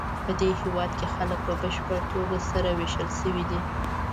پدې هېواد کې خلک په بشپړه توګه سره وېشل شوي دي.